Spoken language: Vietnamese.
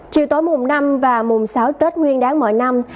chiều tối mùng năm và mùng sáu tết nguyên đáng mọi năm